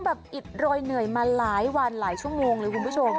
อิดโรยเหนื่อยมาหลายวันหลายชั่วโมงเลยคุณผู้ชม